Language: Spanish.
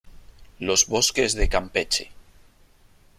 los bosques de Campeche ,